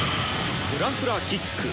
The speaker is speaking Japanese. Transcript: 「フラフラキック」。